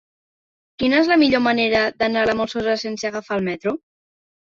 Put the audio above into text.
Quina és la millor manera d'anar a la Molsosa sense agafar el metro?